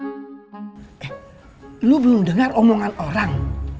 eh lu belum dengar omongan orang